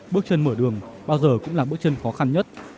bước chân mở đường bao giờ cũng là bước chân khó khăn nhất